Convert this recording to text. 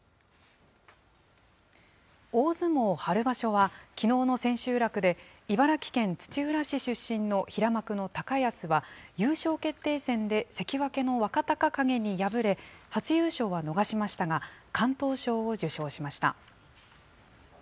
大相撲春場所は、きのうの千秋楽で、茨城県土浦市出身の平幕の高安は優勝決定戦で関脇の若隆景に敗れ、初優勝は逃しましたが、敢闘賞を受賞しました。